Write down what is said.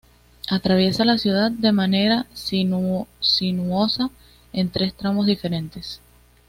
Atraviesa la ciudad de manera sinuosa en tres tramos diferentes.